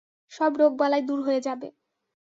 সব রোগ বালাই দূর হয়ে যাবে।